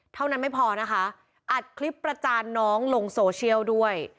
เท่านั้นไม่พอนะคะอัดคลิปประจานน้องลงโซเชียลด้วย